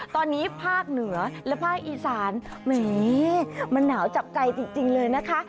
ตอนนี้ภาคเหนือและภาคอีสานแหมมันหนาวจับใจจริงเลยนะคะ